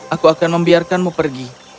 aku akan membiarkanmu pergi